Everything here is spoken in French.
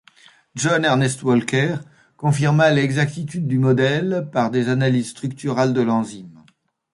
John Ernest Walker confirma l'exactitude du modèle par des analyses structurales de l'enzyme.